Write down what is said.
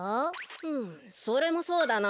うむそれもそうだな。